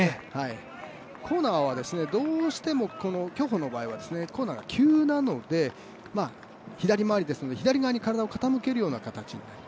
コーナーはどうしても競歩の場合はコーナーが急なので左回りですので、左側に体を傾ける形になります。